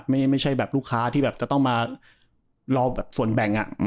ไม่ใช่ลูกค้าที่ต้องมาล้อส่วนแบ่ง